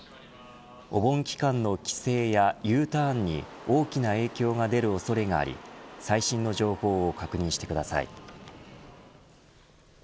お盆期間の帰省やＵターンに大きな影響が出る恐れがあり最新の情報を確認してください。